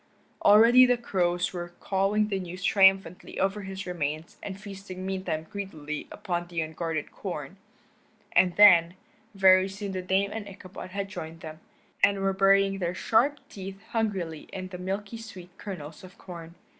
Already the crows were cawing the news triumphantly over his remains and feasting meantime greedily upon the unguarded corn, and then, very soon the Dame and Ichabod had joined them, and were burying their sharp teeth hungrily in the milky sweet kernels of corn.